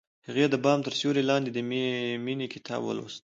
هغې د بام تر سیوري لاندې د مینې کتاب ولوست.